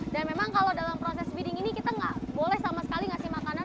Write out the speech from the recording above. dan memang kalau dalam proses feeding ini kita nggak boleh sama sekali ngasih makanan